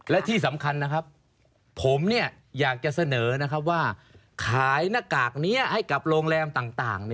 และที่สำคัญนะครับผมอยากจะเสนอนะครับว่าขายหน้ากากนี้ให้กับโรงแรมต่าง